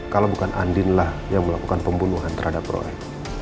kalau bukan andinlah yang melakukan pembunuhan terhadap road